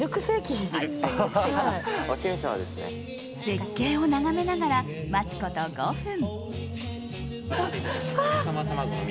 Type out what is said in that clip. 絶景を眺めながら待つこと５分。